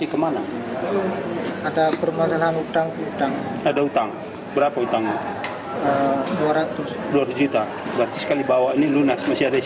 telanjutan pengusaha narawvii juga ada